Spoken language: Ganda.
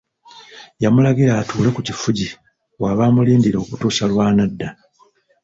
Yamulagira atuule ku kifugi w’aba amulindira okutuusa lw’anadda.